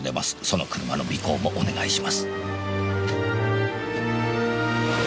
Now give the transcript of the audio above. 「その車の尾行もお願いします」